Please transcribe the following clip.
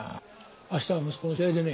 明日は息子の試合でね。